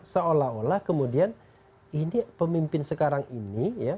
seolah olah kemudian ini pemimpin sekarang ini ya